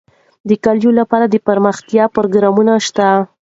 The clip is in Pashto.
د کلیو لپاره دپرمختیا پروګرامونه شته دي.